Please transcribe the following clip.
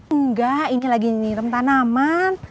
enggak ini lagi tanaman